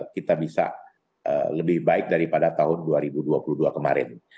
kita bisa lebih baik daripada tahun dua ribu dua puluh dua kemarin